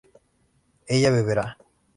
ella beberá